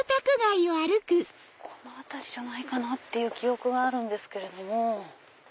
この辺りじゃないかなっていう記憶があるんですけれども。